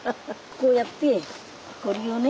こうやってこれをね